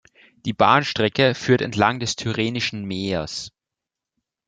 Die Bahnstrecke führt entlang des Tyrrhenischen Meers.